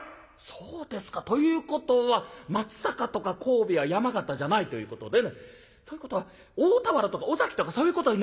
そうですか。ということは松阪とか神戸や山形じゃないということね。ということは大田原とか尾崎とかそういうことになるんでしょうか」。